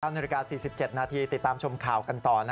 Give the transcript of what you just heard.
นาฬิกา๔๗นาทีติดตามชมข่าวกันต่อ